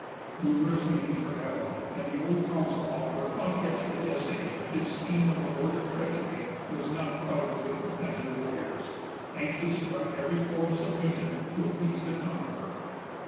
Numerous meetings were held; and the old council hall where Pontiac had essayed his scheme of abortive treachery was now crowded with repentant warriors, anxious, by every form of submission, to appease the conqueror.